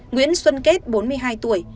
nguyễn xuân kết bốn mươi hai tuổi